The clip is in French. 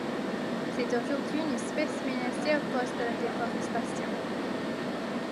C'est aujourd'hui une espèce menacée à cause de la déforestation.